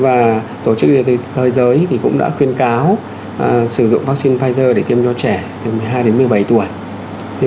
và tổ chức thế giới cũng đã khuyên cáo sử dụng vaccine pfizer để tiêm cho trẻ từ một mươi hai một mươi bảy tuổi